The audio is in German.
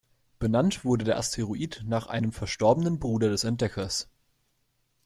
Benannt wurde der Asteroid nach einem verstorbenen Bruder des Entdeckers.